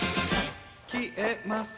「消えます」